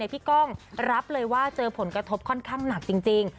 กล้องรับเลยว่าเจอผลกระทบค่อนข้างหนักจริง